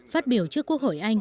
phát biểu trước quốc hội anh